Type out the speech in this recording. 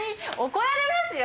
怒られますよ！